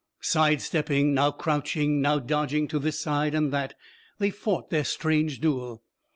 Side stepping, now crouching, now dodging to this side and that, they fought their strange duel.